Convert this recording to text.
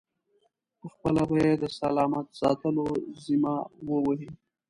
پخپله به یې د سلامت ساتلو ذمه و وهي.